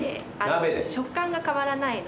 食感が変わらないので。